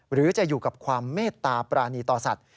หรือจะอยู่กับความเมตตาปรานีต่อสัตว